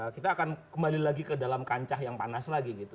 kita akan kembali lagi ke dalam kancah yang panas lagi gitu